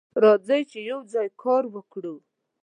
راځه چې یوځای کار وکړو.